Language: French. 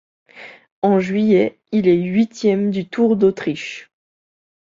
En juillet, il est huitième du Tour d'Autriche.